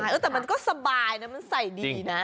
แต่มันก็สบายนะมันใส่ดีนะ